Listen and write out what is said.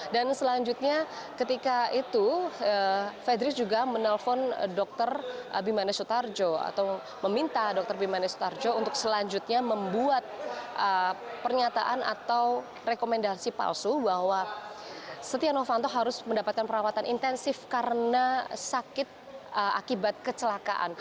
dan selanjutnya ketika itu fedris juga menelpon dokter bimane sutarjo atau meminta dokter bimane sutarjo untuk selanjutnya membuat pernyataan atau rekomendasi palsu bahwa setia novanto harus mendapatkan perawatan intensif karena sakit akibat kecelakaan